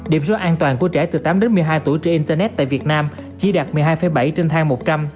điểm số an toàn của trẻ từ tám đến một mươi hai tuổi trên internet tại việt nam chỉ đạt một mươi hai bảy trên thang một trăm linh